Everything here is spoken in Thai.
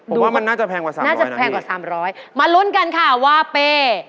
ดูน่าจะแพงกว่า๓๐๐นะนี่มารุ้นกันค่ะว่าเป๊